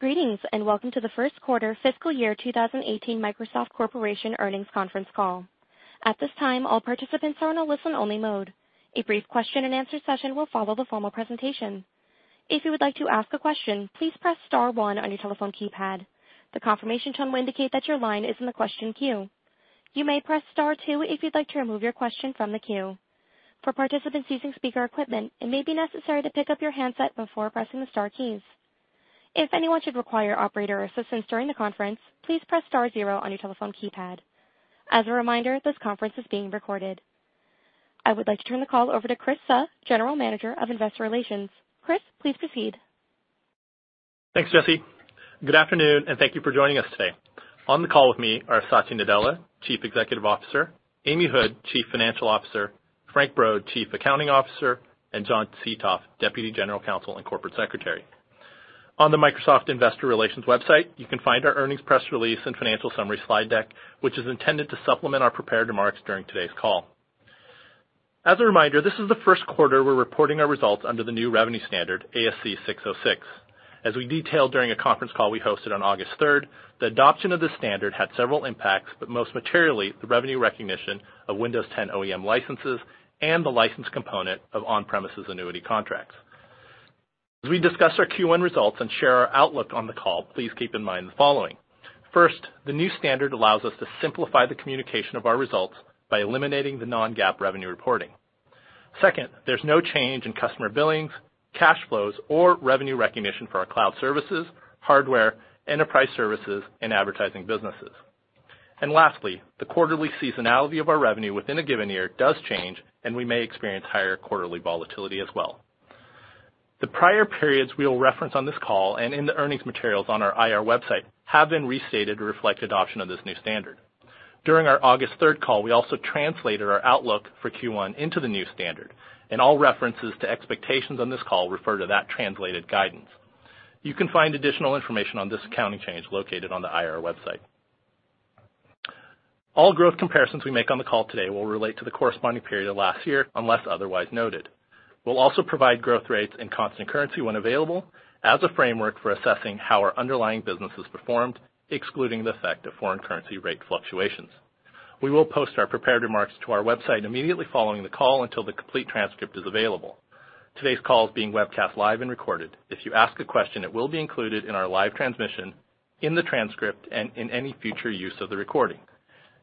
Greetings, welcome to the first quarter fiscal year 2018 Microsoft Corporation earnings conference call. At this time all participants are in listen only mode. A brief question-and-answer session will follow the formal presentation. If you would like to ask a question, please press star one on your telephone keypad. The confirmation tone will indicate that your line is in the question queue. You may press star two if you would like to remove your question from the queue. For participants using speaker equipment, it may be necessary to pick up your handset before pressing the star keys. If anyone should require operator assistance during the conference, please press star zero on your telephone keypad. As a reminder, this conference is being recorded. I would like to turn the call over to Chris Suh, General Manager of Investor Relations. Chris, please proceed. Thanks, Jesse. Good afternoon, and thank you for joining us today. On the call with me are Satya Nadella, Chief Executive Officer, Amy Hood, Chief Financial Officer, Frank Brod, Chief Accounting Officer, and John Seethoff, Deputy General Counsel and Corporate Secretary. On the Microsoft investor relations website, you can find our earnings press release and financial summary slide deck, which is intended to supplement our prepared remarks during today's call. As a reminder, this is the first quarter we're reporting our results under the new revenue standard, ASC 606. As we detailed during a conference call we hosted on August third, the adoption of this standard had several impacts, but most materially, the revenue recognition of Windows 10 OEM licenses and the license component of on-premises annuity contracts. As we discuss our Q1 results and share our outlook on the call, please keep in mind the following. First, the new standard allows us to simplify the communication of our results by eliminating the non-GAAP revenue reporting. Second, there's no change in customer billings, cash flows, or revenue recognition for our cloud services, hardware, enterprise services, and advertising businesses. Lastly, the quarterly seasonality of our revenue within a given year does change, and we may experience higher quarterly volatility as well. The prior periods we will reference on this call and in the earnings materials on our IR website have been restated to reflect adoption of this new standard. During our August third call, we also translated our outlook for Q1 into the new standard, and all references to expectations on this call refer to that translated guidance. You can find additional information on this accounting change located on the IR website. All growth comparisons we make on the call today will relate to the corresponding period of last year, unless otherwise noted. We'll also provide growth rates and constant currency when available as a framework for assessing how our underlying business has performed, excluding the effect of foreign currency rate fluctuations. We will post our prepared remarks to our website immediately following the call until the complete transcript is available. Today's call is being webcast live and recorded. If you ask a question, it will be included in our live transmission, in the transcript, and in any future use of the recording.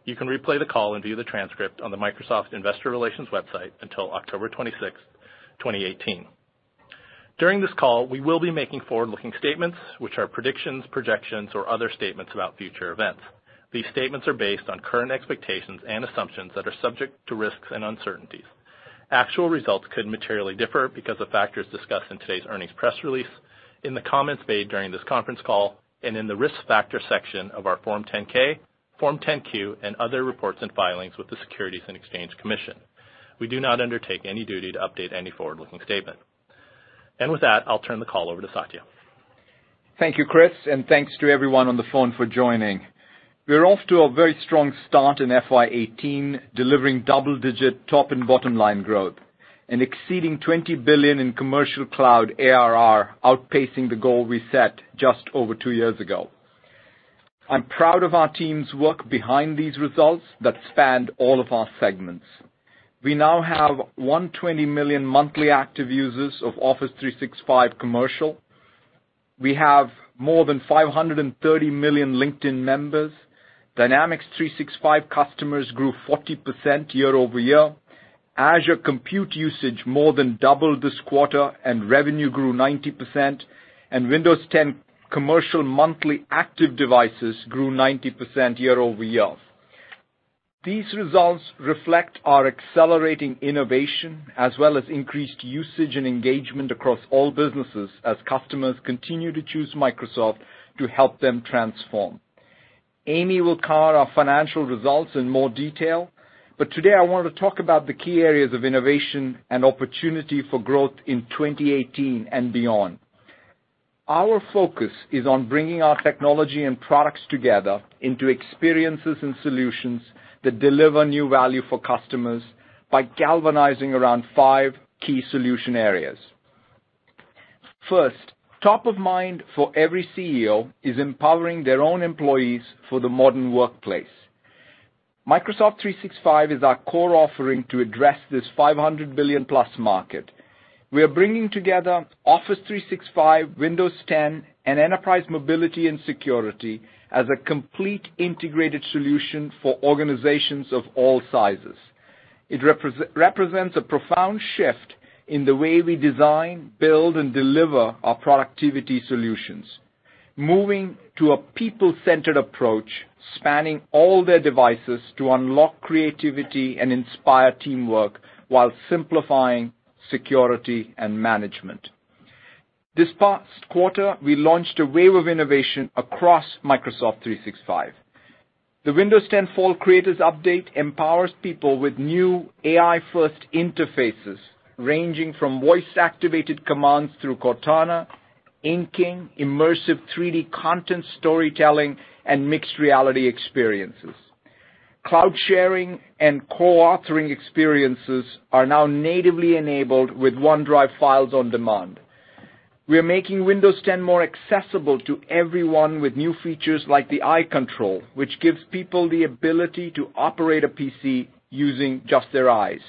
You can replay the call and view the transcript on the Microsoft investor relations website until October 26th, 2018. During this call, we will be making forward-looking statements, which are predictions, projections, or other statements about future events. These statements are based on current expectations and assumptions that are subject to risks and uncertainties. Actual results could materially differ because of factors discussed in today's earnings press release, in the comments made during this conference call, and in the risk factor section of our Form 10-K, Form 10-Q, and other reports and filings with the Securities and Exchange Commission. We do not undertake any duty to update any forward-looking statement. With that, I'll turn the call over to Satya. Thank you, Chris, and thanks to everyone on the phone for joining. We're off to a very strong start in FY 2018, delivering double-digit top and bottom line growth and exceeding $20 billion in commercial cloud ARR, outpacing the goal we set just over two years ago. I'm proud of our team's work behind these results that spanned all of our segments. We now have 120 million monthly active users of Office 365 commercial. We have more than 530 million LinkedIn members. Dynamics 365 customers grew 40% year-over-year. Azure compute usage more than doubled this quarter, revenue grew 90%. Windows 10 commercial monthly active devices grew 90% year-over-year. These results reflect our accelerating innovation as well as increased usage and engagement across all businesses as customers continue to choose Microsoft to help them transform. Amy will cover our financial results in more detail, but today I wanna talk about the key areas of innovation and opportunity for growth in 2018 and beyond. Our focus is on bringing our technology and products together into experiences and solutions that deliver new value for customers by galvanizing around five key solution areas. First, top of mind for every CEO is empowering their own employees for the modern workplace. Microsoft 365 is our core offering to address this $500+ billion market. We are bringing together Office 365, Windows 10, and Enterprise Mobility + Security as a complete integrated solution for organizations of all sizes. It represents a profound shift in the way we design, build, and deliver our productivity solutions, moving to a people-centered approach spanning all their devices to unlock creativity and inspire teamwork while simplifying security and management. This past quarter, we launched a wave of innovation across Microsoft 365. The Windows 10 Fall Creators Update empowers people with new AI-first interfaces ranging from voice-activated commands through Cortana, inking, immersive 3D content storytelling, and mixed reality experiences. Cloud sharing and co-authoring experiences are now natively enabled with OneDrive files on demand. We're making Windows 10 more accessible to everyone with new features like the Eye Control, which gives people the ability to operate a PC using just their eyes.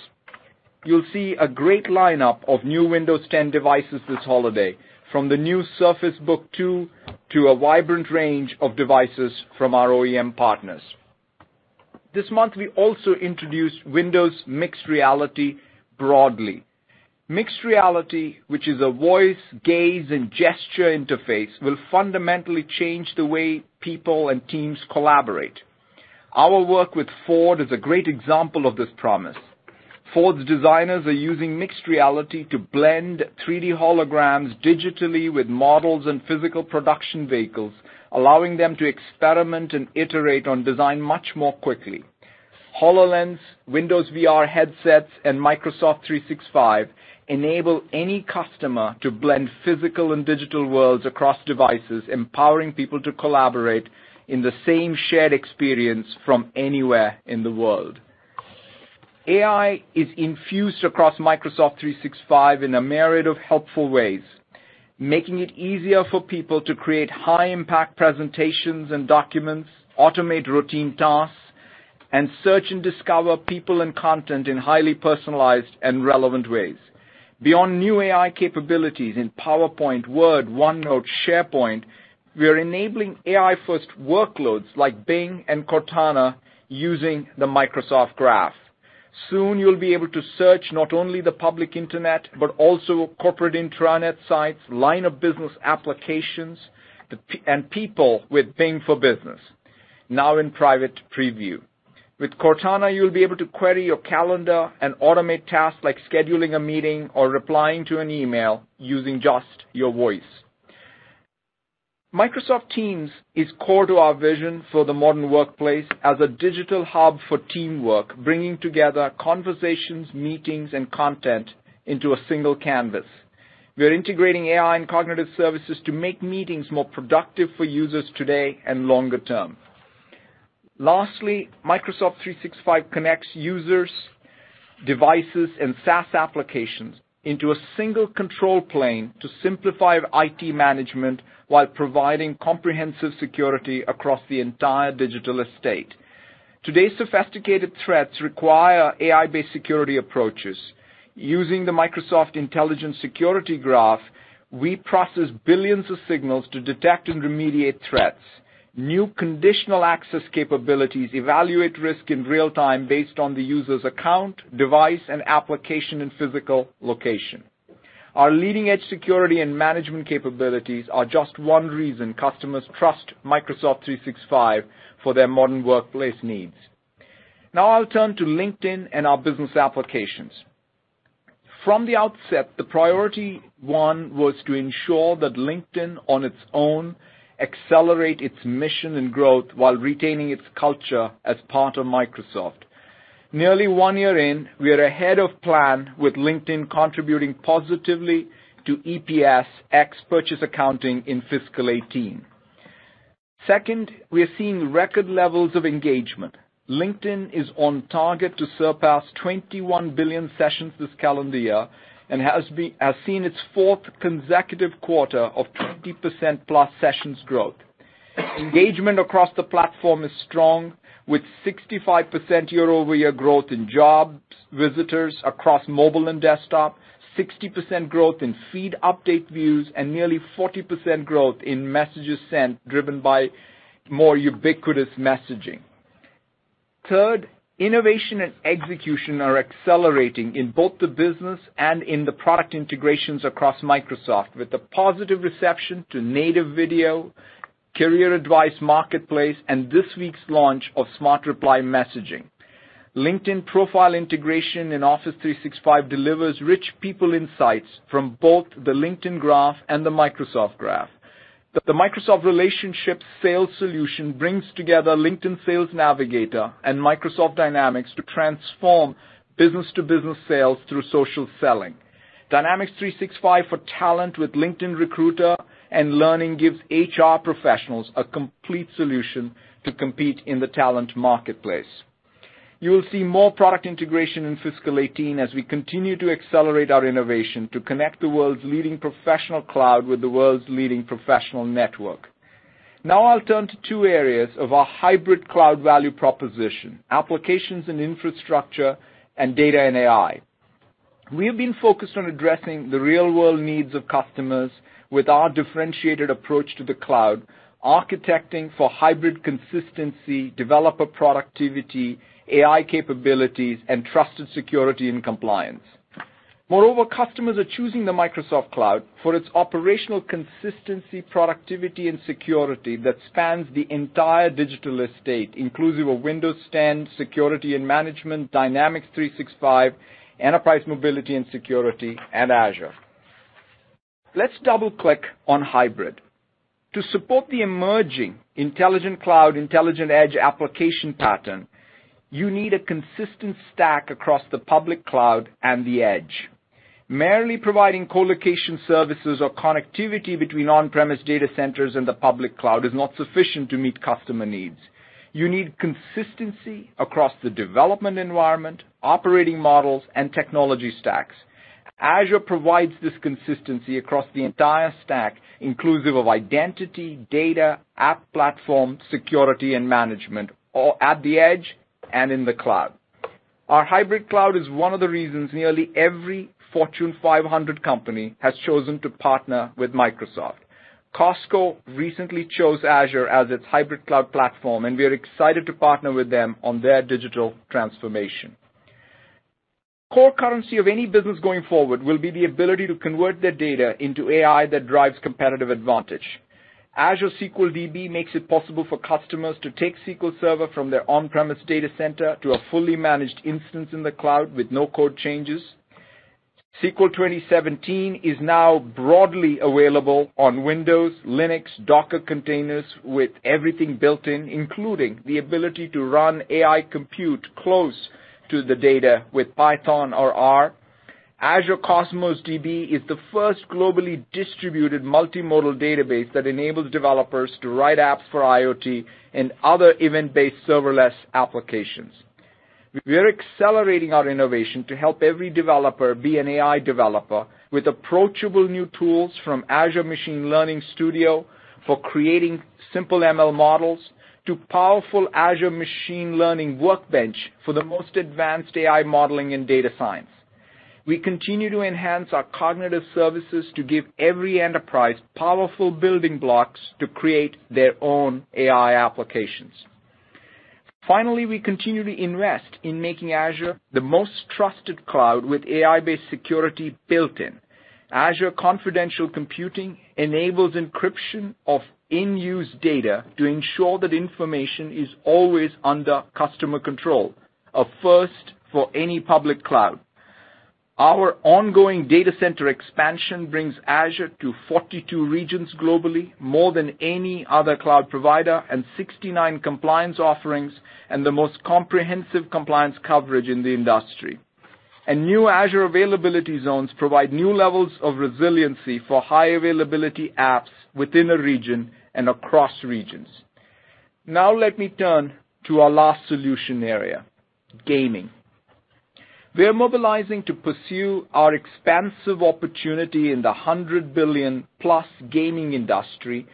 You'll see a great lineup of new Windows 10 devices this holiday, from the new Surface Book 2 to a vibrant range of devices from our OEM partners. This month, we also introduced Windows Mixed Reality broadly. Mixed Reality, which is a voice, gaze, and gesture interface, will fundamentally change the way people and teams collaborate. Our work with Ford is a great example of this promise. Ford's designers are using Mixed Reality to blend 3D holograms digitally with models and physical production vehicles, allowing them to experiment and iterate on design much more quickly. HoloLens, Windows VR headsets, and Microsoft 365 enable any customer to blend physical and digital worlds across devices, empowering people to collaborate in the same shared experience from anywhere in the world. AI is infused across Microsoft 365 in a myriad of helpful ways, making it easier for people to create high-impact presentations and documents, automate routine tasks, and search and discover people and content in highly personalized and relevant ways. Beyond new AI capabilities in PowerPoint, Word, OneNote, SharePoint, we're enabling AI-first workloads like Bing and Cortana using the Microsoft Graph. Soon, you'll be able to search not only the public internet, but also corporate intranet sites, line of business applications, and people with Bing for Business, now in private preview. With Cortana, you'll be able to query your calendar and automate tasks like scheduling a meeting or replying to an email using just your voice. Microsoft Teams is core to our vision for the modern workplace as a digital hub for teamwork, bringing together conversations, meetings, and content into a single canvas. We're integrating AI and cognitive services to make meetings more productive for users today and longer term. Lastly, Microsoft 365 connects users, devices, and SaaS applications into a single control plane to simplify IT management while providing comprehensive security across the entire digital estate. Today's sophisticated threats require AI-based security approaches. Using the Microsoft Intelligent Security Graph, we process billions of signals to detect and remediate threats. New conditional access capabilities evaluate risk in real time based on the user's account, device, and application, and physical location. Our leading-edge security and management capabilities are just one reason customers trust Microsoft 365 for their modern workplace needs. Now, I'll turn to LinkedIn and our business applications. From the outset, the priority one was to ensure that LinkedIn on its own accelerate its mission and growth while retaining its culture as part of Microsoft. Nearly one year in, we are ahead of plan with LinkedIn contributing positively to EPS ex-purchase accounting in fiscal 2018. Second, we're seeing record levels of engagement. LinkedIn is on target to surpass 21 billion sessions this calendar year and has seen its fourth consecutive quarter of 20%+ sessions growth. Engagement across the platform is strong with 65% year-over-year growth in jobs, visitors across mobile and desktop, 60% growth in feed update views, and nearly 40% growth in messages sent driven by more ubiquitous messaging. Third, innovation and execution are accelerating in both the business and in the product integrations across Microsoft with the positive reception to native video, career advice marketplace, and this week's launch of smart reply messaging. LinkedIn profile integration in Office 365 delivers rich people insights from both the LinkedIn Graph and the Microsoft Graph. The Microsoft Relationship Sales solution brings together LinkedIn Sales Navigator and Microsoft Dynamics to transform business-to-business sales through social selling. Dynamics 365 for Talent with LinkedIn Recruiter and Learning gives HR professionals a complete solution to compete in the talent marketplace. You'll see more product integration in fiscal 2018 as we continue to accelerate our innovation to connect the world's leading professional cloud with the world's leading professional network. I'll turn to two areas of our hybrid cloud value proposition, applications and infrastructure and data and AI. We have been focused on addressing the real-world needs of customers with our differentiated approach to the cloud, architecting for hybrid consistency, developer productivity, AI capabilities, and trusted security and compliance. Customers are choosing the Microsoft Cloud for its operational consistency, productivity, and security that spans the entire digital estate, inclusive of Windows 10, security and management, Dynamics 365, Enterprise Mobility + Security, and Azure. Let's double-click on hybrid. To support the emerging Intelligent Cloud, Intelligent Edge application pattern, you need a consistent stack across the public cloud and the edge. Merely providing co-location services or connectivity between on-premises data centers and the public cloud is not sufficient to meet customer needs. You need consistency across the development environment, operating models, and technology stacks. Azure provides this consistency across the entire stack, inclusive of identity, data, app platform, security, and management, all at the edge and in the cloud. Our hybrid cloud is one of the reasons nearly every Fortune 500 company has chosen to partner with Microsoft. Costco recently chose Azure as its hybrid cloud platform, and we are excited to partner with them on their digital transformation. Core currency of any business going forward will be the ability to convert their data into AI that drives competitive advantage. Azure SQL DB makes it possible for customers to take SQL Server from their on-premise data center to a fully managed instance in the cloud with no code changes. SQL 2017 is now broadly available on Windows, Linux, Docker containers with everything built in, including the ability to run AI compute close to the data with Python or R. Azure Cosmos DB is the first globally distributed multi-model database that enables developers to write apps for IoT and other event-based serverless applications. We are accelerating our innovation to help every developer be an AI developer with approachable new tools from Azure Machine Learning Studio for creating simple ML models to powerful Azure Machine Learning Workbench for the most advanced AI modeling and data science. We continue to enhance our cognitive services to give every enterprise powerful building blocks to create their own AI applications. Finally, we continue to invest in making Azure the most trusted cloud with AI-based security built in. Azure confidential computing enables encryption of in-use data to ensure that information is always under customer control, a first for any public cloud. Our ongoing data center expansion brings Azure to 42 regions globally, more than any other cloud provider, and 69 compliance offerings, and the most comprehensive compliance coverage in the industry. New Azure availability zones provide new levels of resiliency for high-availability apps within a region and across regions. Let me turn to our last solution area, gaming. We are mobilizing to pursue our expansive opportunity in the $100+ billion gaming industry,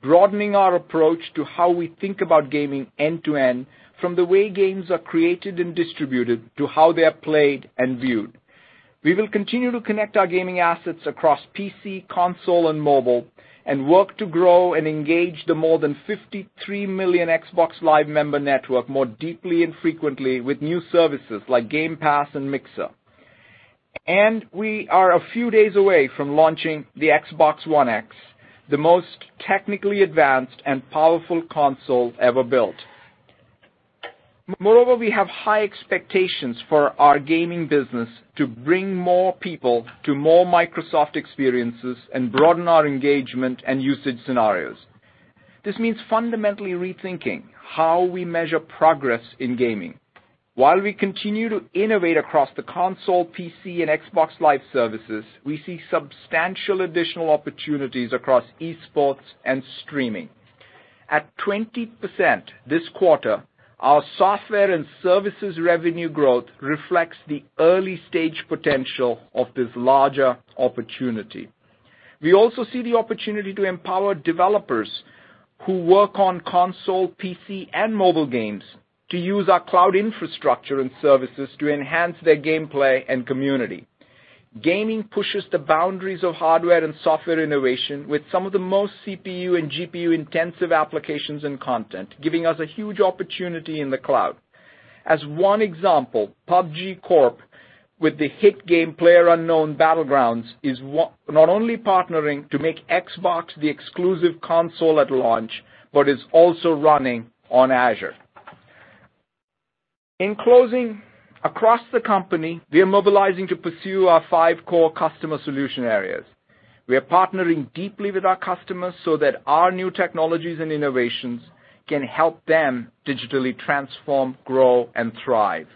broadening our approach to how we think about gaming end-to-end from the way games are created and distributed to how they are played and viewed. We will continue to connect our gaming assets across PC, console, and mobile and work to grow and engage the more than 53 million Xbox Live member network more deeply and frequently with new services like Game Pass and Mixer. We are a few days away from launching the Xbox One X, the most technically advanced and powerful console ever built. Moreover, we have high expectations for our gaming business to bring more people to more Microsoft experiences and broaden our engagement and usage scenarios. This means fundamentally rethinking how we measure progress in gaming. While we continue to innovate across the console, PC, and Xbox Live services, we see substantial additional opportunities across e-sports and streaming. At 20% this quarter, our software and services revenue growth reflects the early-stage potential of this larger opportunity. We also see the opportunity to empower developers who work on console, PC, and mobile games to use our cloud infrastructure and services to enhance their gameplay and community. Gaming pushes the boundaries of hardware and software innovation with some of the most CPU and GPU-intensive applications and content, giving us a huge opportunity in the cloud. As one example, PUBG Corp, with the hit game PlayerUnknown's Battlegrounds, is not only partnering to make Xbox the exclusive console at launch but is also running on Azure. In closing, across the company, we are mobilizing to pursue our five core customer solution areas. We are partnering deeply with our customers so that our new technologies and innovations can help them digitally transform, grow, and thrive.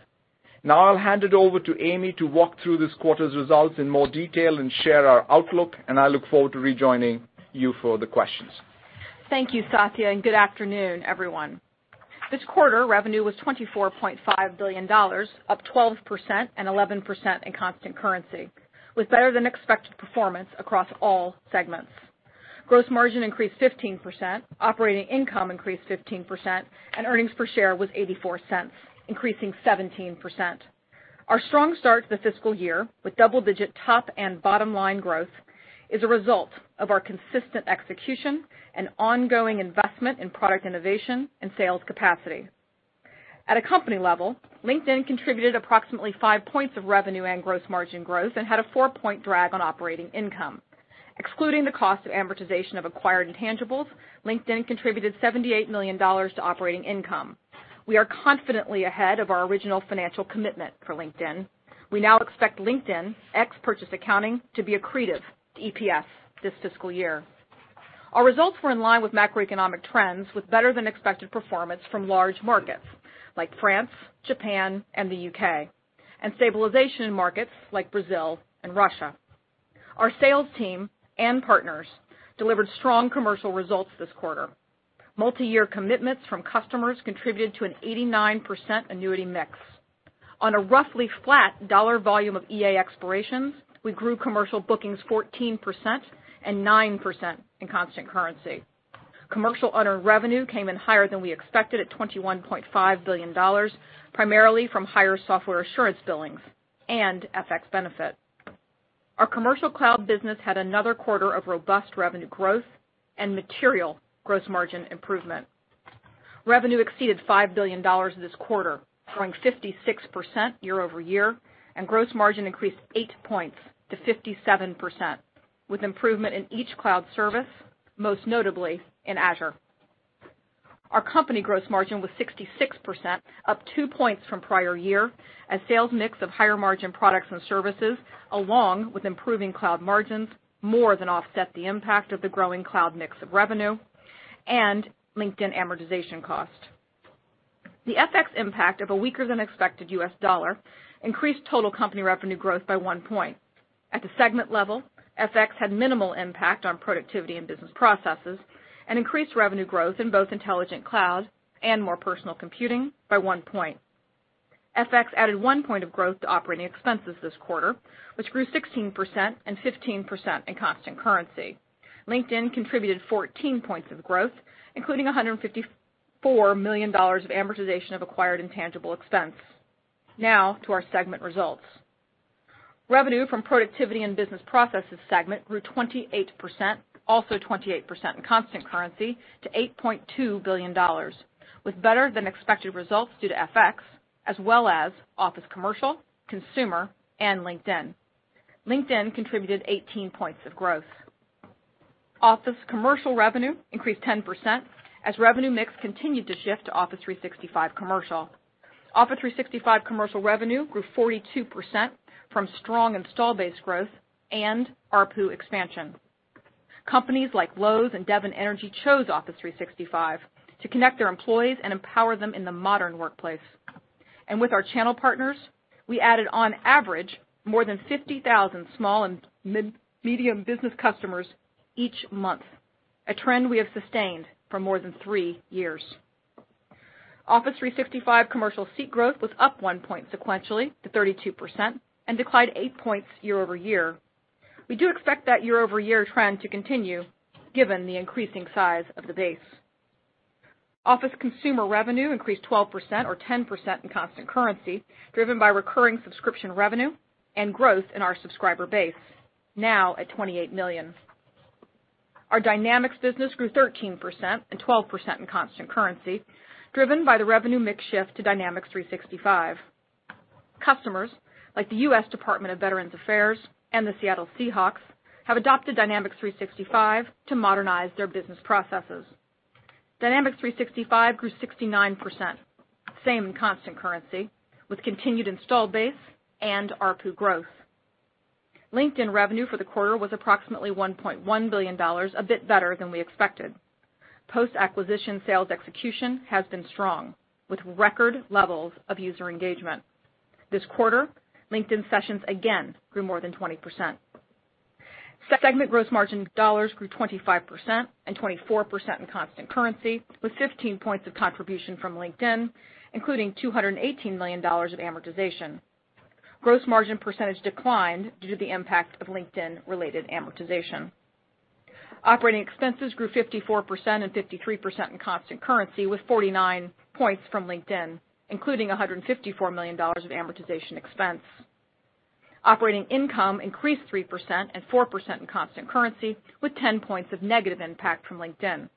Now I'll hand it over to Amy to walk through this quarter's results in more detail and share our outlook, and I look forward to rejoining you for the questions. Thank you, Satya. Good afternoon, everyone. This quarter, revenue was $24.5 billion, up 12% and 11% in constant currency, with better-than-expected performance across all segments. Gross margin increased 15%, operating income increased 15%, and earnings per share was $0.84, increasing 17%. Our strong start to the fiscal year, with double-digit top and bottom-line growth, is a result of our consistent execution and ongoing investment in product innovation and sales capacity. At a company level, LinkedIn contributed approximately 5 points of revenue and gross margin growth and had a 4 point drag on operating income. Excluding the cost of amortization of acquired intangibles, LinkedIn contributed $78 million to operating income. We are confidently ahead of our original financial commitment for LinkedIn. We now expect LinkedIn, ex-purchase accounting, to be accretive to EPS this fiscal year. Our results were in line with macroeconomic trends with better than expected performance from large markets like France, Japan, and the U.K., and stabilization in markets like Brazil and Russia. Our sales team and partners delivered strong commercial results this quarter. Multiyear commitments from customers contributed to an 89% annuity mix. On a roughly flat dollar volume of EA expirations, we grew commercial bookings 14% and 9% in constant currency. Commercial unearned revenue came in higher than we expected at $21.5 billion, primarily from higher software assurance billings and FX benefit. Our commercial cloud business had another quarter of robust revenue growth and material gross margin improvement. Revenue exceeded $5 billion this quarter, growing 56% year-over-year, and gross margin increased 8 points to 57% with improvement in each cloud service, most notably in Azure. Our company gross margin was 66%, up 2 points from prior year as sales mix of higher margin products and services, along with improving cloud margins more than offset the impact of the growing cloud mix of revenue and LinkedIn amortization cost. The FX impact of a weaker than expected U.S. dollar increased total company revenue growth by 1 point. At the segment level, FX had minimal impact on Productivity and Business Processes and increased revenue growth in both Intelligent Cloud and more personal computing by 1 point. FX added 1 point of growth to operating expenses this quarter, which grew 16% and 15% in constant currency. LinkedIn contributed 14 points of growth, including $154 million of amortization of acquired intangible expense. Now to our segment results. Revenue from Productivity and Business Processes segment grew 28%, also 28% in constant currency to $8.2 billion, with better than expected results due to FX as well as Office Commercial, Consumer, and LinkedIn. LinkedIn contributed 18 points of growth. Office Commercial revenue increased 10% as revenue mix continued to shift to Office 365 Commercial. Office 365 Commercial revenue grew 42% from strong install base growth and ARPU expansion. Companies like Lowe's and Devon Energy chose Office 365 to connect their employees and empower them in the modern workplace. With our channel partners, we added, on average, more than 50,000 small and mid-medium business customers each month, a trend we have sustained for more than three years. Office 365 Commercial seat growth was up 1 point sequentially to 32% and declined 8 points year-over-year. We do expect that year-over-year trend to continue, given the increasing size of the base. Office Consumer revenue increased 12% or 10% in constant currency, driven by recurring subscription revenue and growth in our subscriber base, now at 28 million. Our Dynamics business grew 13% and 12% in constant currency, driven by the revenue mix shift to Dynamics 365. Customers like the U.S. Department of Veterans Affairs and the Seattle Seahawks have adopted Dynamics 365 to modernize their business processes. Dynamics 365 grew 69%, same in constant currency with continued install base and ARPU growth. LinkedIn revenue for the quarter was approximately $1.1 billion, a bit better than we expected. Post-acquisition sales execution has been strong with record levels of user engagement. This quarter, LinkedIn sessions again grew more than 20%. Segment gross margin dollars grew 25% and 24% in constant currency, with 15 points of contribution from LinkedIn, including $218 million of amortization. Gross margin percentage declined due to the impact of LinkedIn-related amortization. Operating expenses grew 54% and 53% in constant currency with 49 points from LinkedIn, including $154 million of amortization expense. Operating income increased 3% and 4% in constant currency with 10 points of negative impact from LinkedIn.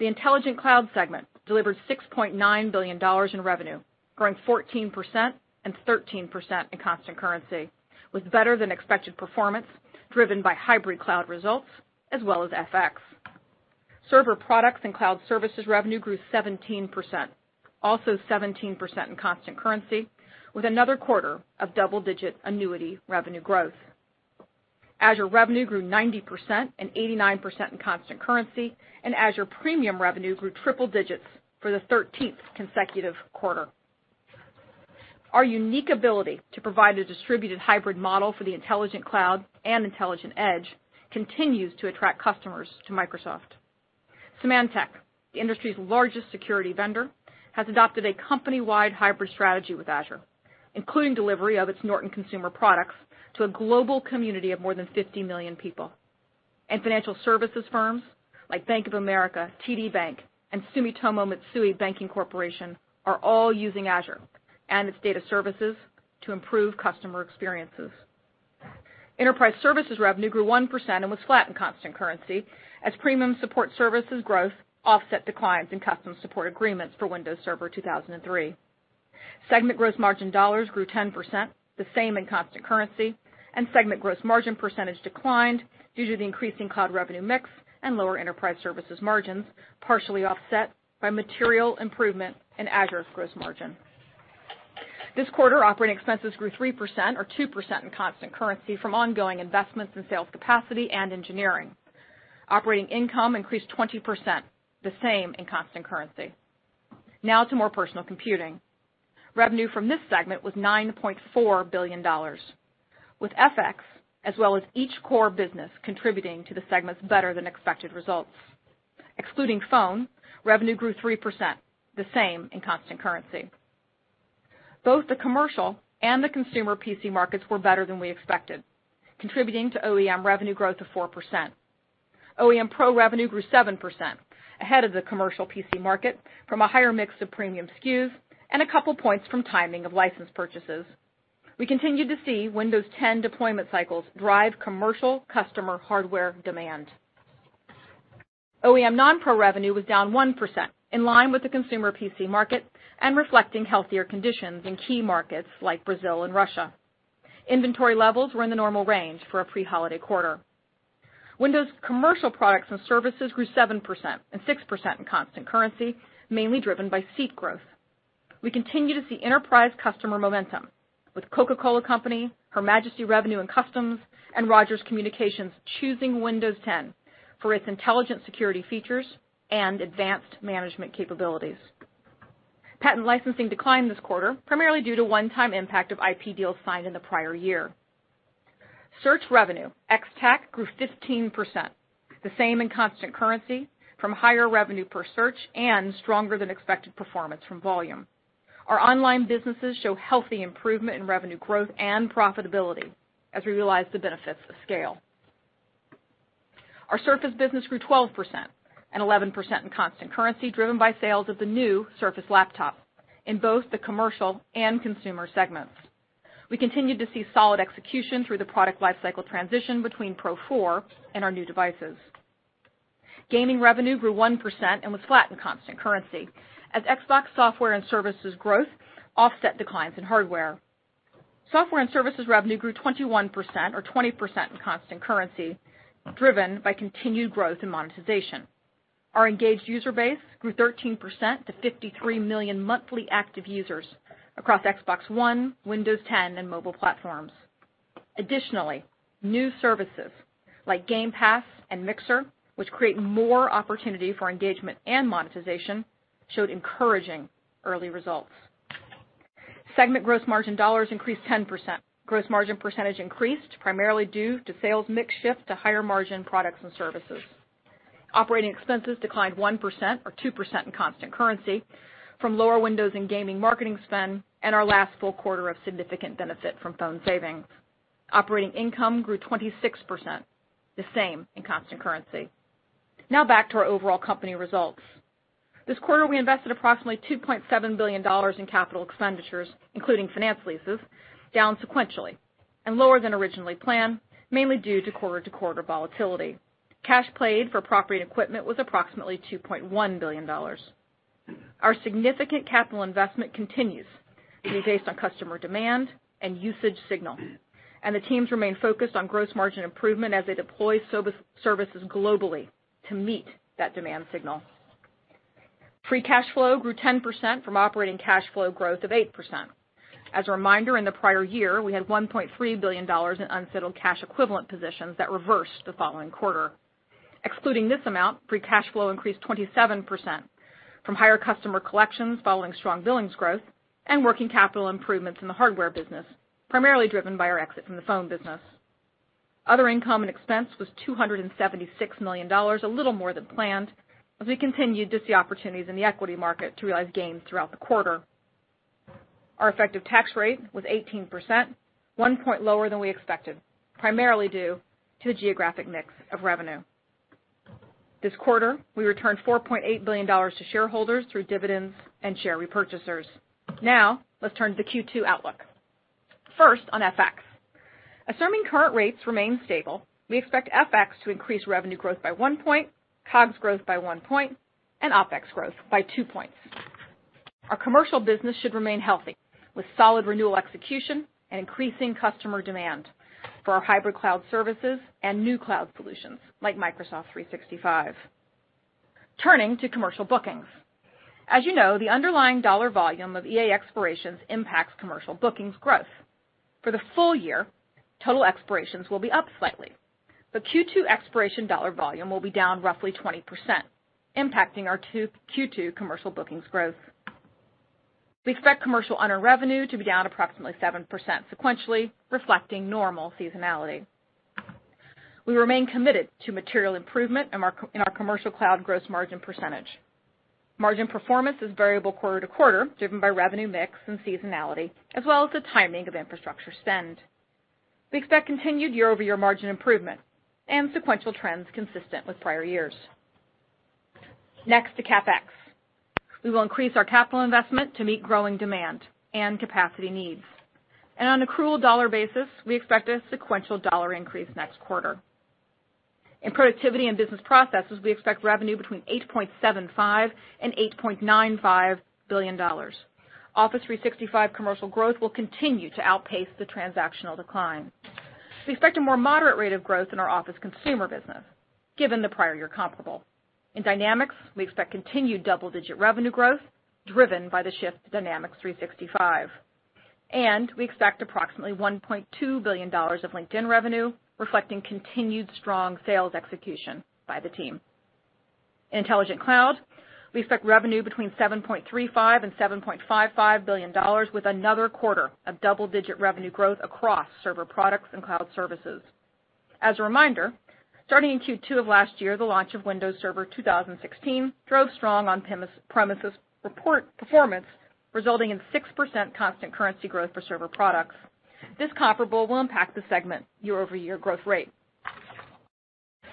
The Intelligent Cloud segment delivered $6.9 billion in revenue, growing 14% and 13% in constant currency, with better than expected performance driven by hybrid cloud results as well as FX. Server products and cloud services revenue grew 17%, also 17% in constant currency with another quarter of double-digit annuity revenue growth. Azure revenue grew 90% and 89% in constant currency, and Azure premium revenue grew triple digits for the 13th consecutive quarter. Our unique ability to provide a distributed hybrid model for the Intelligent Cloud and Intelligent Edge continues to attract customers to Microsoft. Symantec, the industry's largest security vendor, has adopted a company-wide hybrid strategy with Azure, including delivery of its Norton consumer products to a global community of more than 50 million people. Financial services firms like Bank of America, TD Bank, and Sumitomo Mitsui Banking Corporation are all using Azure and its data services to improve customer experiences. Enterprise services revenue grew 1% and was flat in constant currency as Premier Support services growth offset declines in custom support agreements for Windows Server 2003. Segment gross margin dollars grew 10%, the same in constant currency, and segment gross margin percentage declined due to the increasing cloud revenue mix and lower enterprise services margins, partially offset by material improvement in Azure's gross margin. This quarter, operating expenses grew 3% or 2% in constant currency from ongoing investments in sales capacity and engineering. Operating income increased 20%, the same in constant currency. Now to more personal computing. Revenue from this segment was $9.4 billion, with FX as well as each core business contributing to the segment's better than expected results. Excluding phone, revenue grew 3%, the same in constant currency. Both the commercial and the consumer PC markets were better than we expected, contributing to OEM revenue growth of 4%. OEM Pro revenue grew 7%, ahead of the commercial PC market from a higher mix of premium SKUs and a couple points from timing of license purchases. We continued to see Windows 10 deployment cycles drive commercial customer hardware demand. OEM non-Pro revenue was down 1%, in line with the consumer PC market and reflecting healthier conditions in key markets like Brazil and Russia. Inventory levels were in the normal range for a pre-holiday quarter. Windows commercial products and services grew 7% and 6% in constant currency, mainly driven by seat growth. We continue to see enterprise customer momentum with The Coca-Cola Company, Her Majesty's Revenue and Customs, and Rogers Communications choosing Windows 10 for its intelligent security features and advanced management capabilities. Patent licensing declined this quarter, primarily due to one-time impact of IP deals signed in the prior year. Search revenue, ex TAC grew 15%, the same in constant currency from higher revenue per search and stronger than expected performance from volume. Our online businesses show healthy improvement in revenue growth and profitability as we realize the benefits of scale. Our Surface business grew 12% and 11% in constant currency, driven by sales of the new Surface Laptop in both the commercial and consumer segments. We continued to see solid execution through the product lifecycle transition between Pro 4 and our new devices. Gaming revenue grew 1% and was flat in constant currency as Xbox software and services growth offset declines in hardware. Software and services revenue grew 21% or 20% in constant currency, driven by continued growth in monetization. Our engaged user base grew 13% to 53 million monthly active users across Xbox One, Windows 10, and mobile platforms. Additionally, new services like Game Pass and Mixer, which create more opportunity for engagement and monetization, showed encouraging early results. Segment gross margin dollars increased 10%. Gross margin percentage increased primarily due to sales mix shift to higher margin products and services. Operating expenses declined 1% or 2% in constant currency from lower Windows and gaming marketing spend and our last full quarter of significant benefit from phone savings. Operating income grew 26%, the same in constant currency. Back to our overall company results. This quarter, we invested approximately $2.7 billion in CapEx, including finance leases, down sequentially and lower than originally planned, mainly due to quarter-to-quarter volatility. Cash paid for property and equipment was approximately $2.1 billion. Our significant capital investment continues to be based on customer demand and usage signal. The teams remain focused on gross margin improvement as they deploy services globally to meet that demand signal. Free cash flow grew 10% from operating cash flow growth of 8%. As a reminder, in the prior year, we had $1.3 billion in unsettled cash equivalent positions that reversed the following quarter. Excluding this amount, free cash flow increased 27% from higher customer collections following strong billings growth and working capital improvements in the hardware business, primarily driven by our exit from the phone business. Other income and expense was $276 million, a little more than planned, as we continued to see opportunities in the equity market to realize gains throughout the quarter. Our effective tax rate was 18%, 1 point lower than we expected, primarily due to the geographic mix of revenue. This quarter, we returned $4.8 billion to shareholders through dividends and share repurchasers. Now let's turn to the Q2 outlook. First, on FX. Assuming current rates remain stable, we expect FX to increase revenue growth by 1 point, COGS growth by 1 point, and OpEx growth by 2 points. Our commercial business should remain healthy with solid renewal execution and increasing customer demand for our hybrid cloud services and new cloud solutions like Microsoft 365. Turning to commercial bookings. As you know, the underlying dollar volume of EA expirations impacts commercial bookings growth. For the full year, total expirations will be up slightly, but Q2 expiration dollar volume will be down roughly 20%, impacting our Q2 commercial bookings growth. We expect commercial unearned revenue to be down approximately 7% sequentially, reflecting normal seasonality. We remain committed to material improvement in our commercial cloud gross margin percentage. Margin performance is variable quarter to quarter, driven by revenue mix and seasonality, as well as the timing of infrastructure spend. We expect continued year-over-year margin improvement and sequential trends consistent with prior years. Next to CapEx. We will increase our capital investment to meet growing demand and capacity needs. On accrual dollar basis, we expect a sequential dollar increase next quarter. In Productivity and Business Processes, we expect revenue between $8.75 billion-$8.95 billion. Office 365 commercial growth will continue to outpace the transactional decline. We expect a more moderate rate of growth in our Office Consumer business given the prior comparable. In Dynamics, we expect continued double-digit revenue growth driven by the shift to Dynamics 365. We expect approximately $1.2 billion of LinkedIn revenue reflecting continued strong sales execution by the team. Intelligent Cloud, we expect revenue between $7.35 billion and $7.55 billion with another quarter of double-digit revenue growth across server products and cloud services. As a reminder, starting in Q2 of last year, the launch of Windows Server 2016 drove strong on-premise report performance resulting in 6% constant currency growth for server products. This comparable will impact the segment year-over-year growth rate.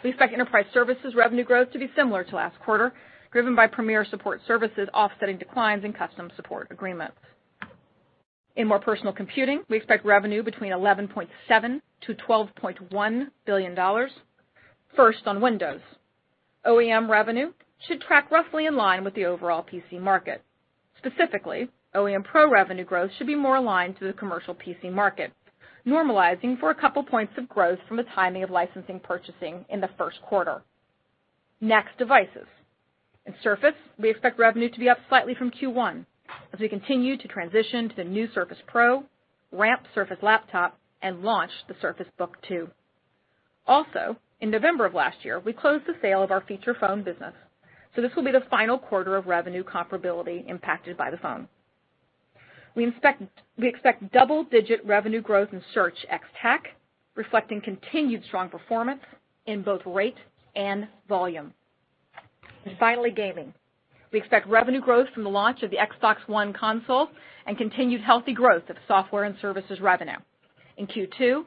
We expect Enterprise Services revenue growth to be similar to last quarter, driven by premier support services offsetting declines in custom support agreements. In More Personal Computing, we expect revenue between $11.7 billion-$12.1 billion. First, on Windows. OEM revenue should track roughly in line with the overall PC market. Specifically, OEM Pro revenue growth should be more aligned to the commercial PC market, normalizing for a couple points of growth from the timing of licensing purchasing in the first quarter. Next, devices. In Surface, we expect revenue to be up slightly from Q1 as we continue to transition to the new Surface Pro, ramp Surface Laptop, and launch the Surface Book 2. In November of last year, we closed the sale of our feature phone business, so this will be the final quarter of revenue comparability impacted by the phone. We expect double-digit revenue growth in Search ex TAC, reflecting continued strong performance in both rate and volume. Finally, gaming. We expect revenue growth from the launch of the Xbox One console and continued healthy growth of software and services revenue. In Q2,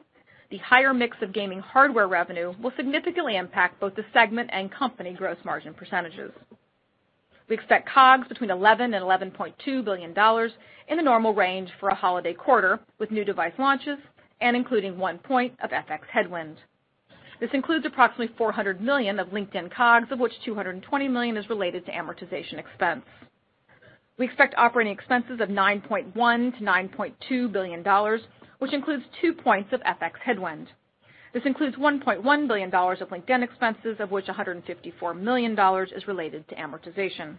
the higher mix of gaming hardware revenue will significantly impact both the segment and company gross margin percentages. We expect COGS between $11 billion and $11.2 billion in the normal range for a holiday quarter with new device launches and including 1 point of FX headwind. This includes approximately $400 million of LinkedIn COGS, of which $220 million is related to amortization expense. We expect operating expenses of $9.1 billion-$9.2 billion, which includes 2 points of FX headwind. This includes $1.1 billion of LinkedIn expenses, of which $154 million is related to amortization.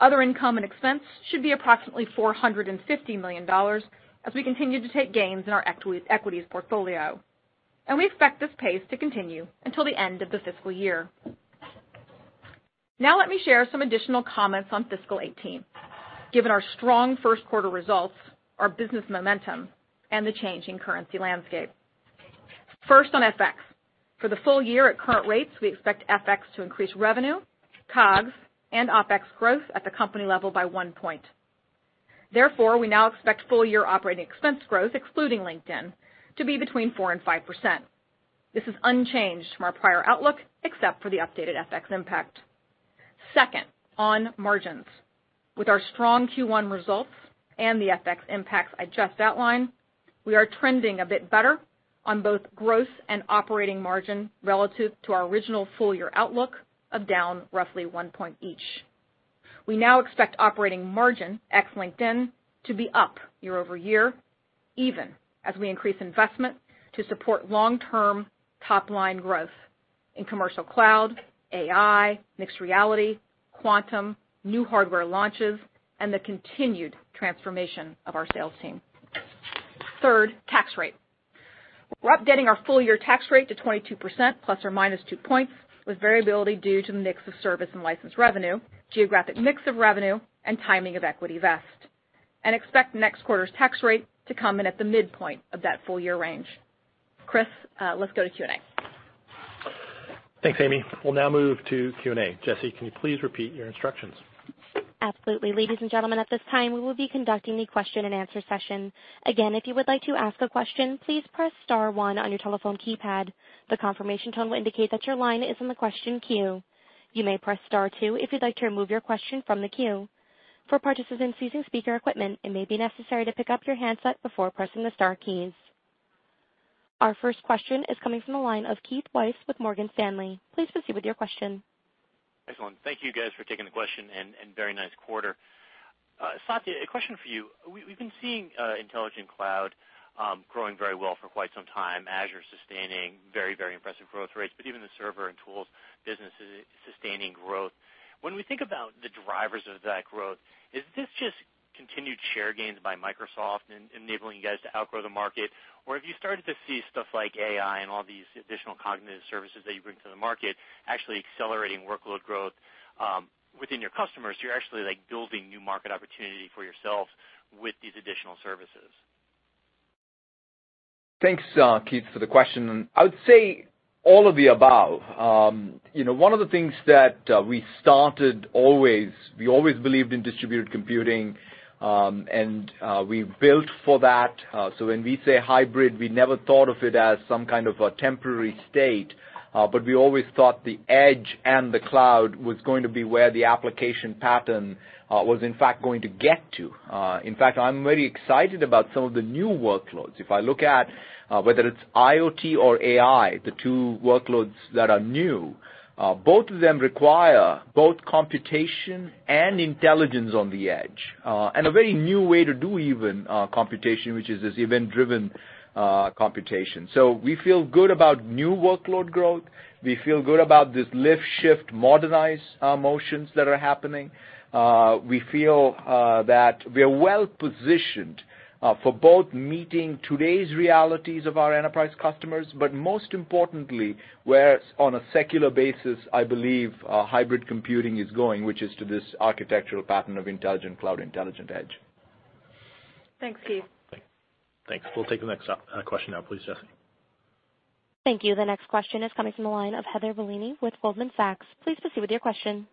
Other income and expense should be approximately $450 million as we continue to take gains in our equities portfolio. We expect this pace to continue until the end of the fiscal year. Let me share some additional comments on fiscal 2018, given our strong first quarter results, our business momentum, and the change in currency landscape. First, on FX. For the full year at current rates, we expect FX to increase revenue, COGS, and OpEx growth at the company level by 1 point. We now expect full year operating expense growth, excluding LinkedIn, to be between 4% and 5%. This is unchanged from our prior outlook, except for the updated FX impact. Second, on margins. With our strong Q1 results and the FX impacts I just outlined, we are trending a bit better on both gross and operating margin relative to our original full year outlook of down roughly 1 point each. We now expect operating margin ex LinkedIn to be up year-over-year, even as we increase investment to support long-term top-line growth in commercial cloud, AI, mixed reality, quantum, new hardware launches, and the continued transformation of our sales team. Third, tax rate. We're updating our full year tax rate to 22% ±2 points with variability due to the mix of service and license revenue, geographic mix of revenue, and timing of equity vest, and expect next quarter's tax rate to come in at the midpoint of that full year range. Chris, let's go to Q&A. Thanks, Amy. We'll now move to Q&A. Jesse, can you please repeat your instructions? Absolutely. Ladies and gentlemen, at this time, we will be conducting the question-and-answer session. Again if you want to ask a question, please press star one on your telephone keypad. The confirmation tone will indicate your that your line is in the question queue. You may press star two if you would like your question from the queue. For participants using speaker equipment, it may be necessary to pick up your handset before pressing the star keys. Our first question is coming from the line of Keith Weiss with Morgan Stanley. Please proceed with your question. Excellent. Thank you guys for taking the question and very nice quarter. Satya, a question for you. We've been seeing Intelligent Cloud growing very well for quite some time. Azure sustaining very impressive growth rates, even the server and tools businesses sustaining growth. When we think about the drivers of that growth, is this just continued share gains by Microsoft enabling you guys to outgrow the market? Have you started to see stuff like AI and all these additional cognitive services that you bring to the market actually accelerating workload growth within your customers, you're actually, like, building new market opportunity for yourself with these additional services? Thanks, Keith, for the question. I would say all of the above. You know, one of the things that we always believed in distributed computing, and we built for that. When we say hybrid, we never thought of it as some kind of a temporary state, but we always thought the edge and the cloud was going to be where the application pattern was in fact going to get to. In fact, I'm very excited about some of the new workloads. If I look at whether it's IoT or AI, the two workloads that are new, both of them require both computation and intelligence on the edge, and a very new way to do even computation, which is this event-driven computation. We feel good about new workload growth. We feel good about this lift, shift, modernize, motions that are happening. We feel that we are well positioned for both meeting today's realities of our enterprise customers, but most importantly, where on a secular basis, I believe, hybrid computing is going, which is to this architectural pattern of intelligent cloud, intelligent edge. Thanks, Keith. Thanks. We'll take the next question now, please, Jesse. Thank you. The next question is coming from the line of Heather Bellini with Goldman Sachs. Please proceed with your question.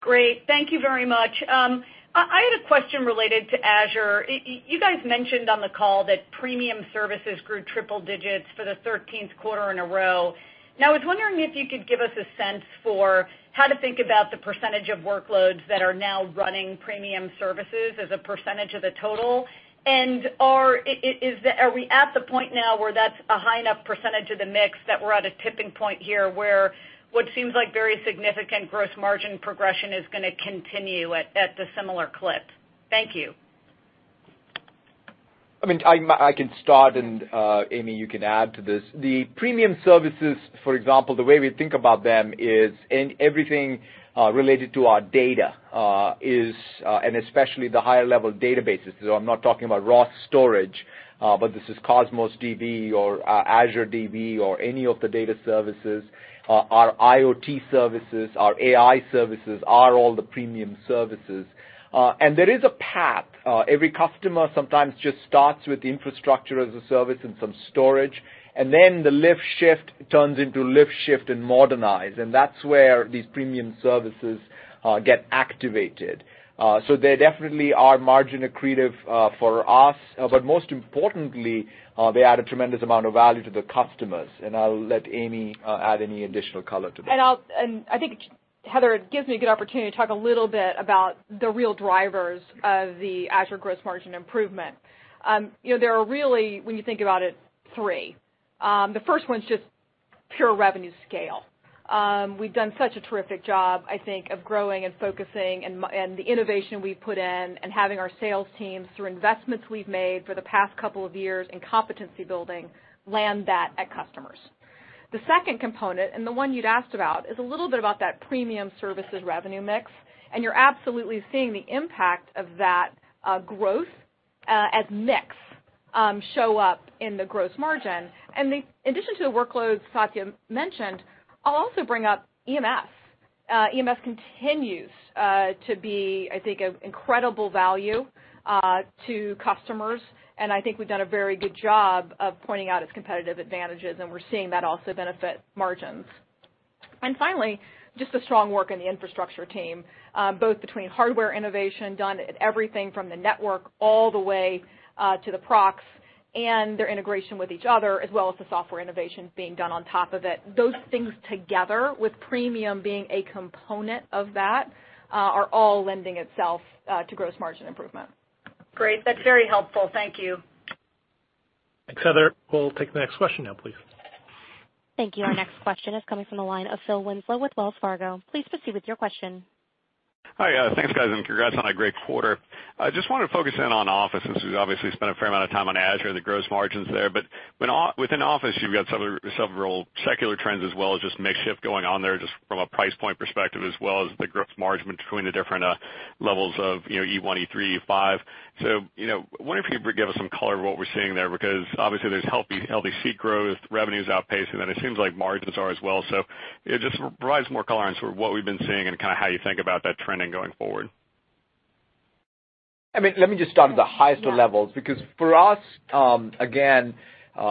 Great. Thank you very much. I had a question related to Azure. You guys mentioned on the call that premium services grew triple digits for the 13th quarter in a row. I was wondering if you could give us a sense for how to think about the percentage of workloads that are now running premium services as a percentage of the total, and are we at the point now where that's a high enough percentage of the mix that we're at a tipping point here where what seems like very significant gross margin progression is gonna continue at the similar clip? Thank you. I mean, I can start, and Amy, you can add to this. The premium services, for example, the way we think about them is in everything related to our data is and especially the higher level databases. I'm not talking about raw storage, but this is Cosmos DB or Azure DB or any of the data services. Our IoT services, our AI services are all the premium services. There is a path. Every customer sometimes just starts with Infrastructure as a Service and some storage, and then the lift shift turns into lift shift and modernize, and that's where these premium services get activated. They definitely are margin accretive for us. Most importantly, they add a tremendous amount of value to the customers, and I'll let Amy add any additional color to that. Heather, it gives me a good opportunity to talk a little bit about the real drivers of the Azure gross margin improvement. You know, there are really, when you think about it, three. The first one's just pure revenue scale. We've done such a terrific job, I think, of growing and focusing and the innovation we've put in and having our sales teams, through investments we've made for the past couple of years in competency building, land that at customers. The second component, and the one you'd asked about, is a little bit about that premium services revenue mix, and you're absolutely seeing the impact of that growth as mix show up in the gross margin. The addition to the workloads Satya mentioned, I'll also bring up EMS. EMS continues to be, I think, an incredible value to customers, and I think we've done a very good job of pointing out its competitive advantages, and we're seeing that also benefit margins. Finally, just the strong work in the infrastructure team, both between hardware innovation done at everything from the network all the way to the procs and their integration with each other, as well as the software innovation being done on top of it. Those things together with premium being a component of that, are all lending itself to gross margin improvement. Great. That's very helpful. Thank you. Thanks, Heather. We'll take the next question now, please. Thank you. Our next question is coming from the line of Phil Winslow with Wells Fargo. Please proceed with your question. Hi. Thanks, guys, and congrats on a great quarter. I just wanted to focus in on Office since we've obviously spent a fair amount of time on Azure and the gross margins there. When within Office, you've got several secular trends as well as just mix shift going on there, just from a price point perspective as well as the gross margin between the different levels of, you know, E1, E3, E5. You know, wonder if you could give us some color of what we're seeing there, because obviously there's healthy seat growth, revenues outpacing, and it seems like margins are as well. If you could just provide some more color on sort of what we've been seeing and kinda how you think about that trending going forward. I mean, let me just start at the highest of levels because for us, again,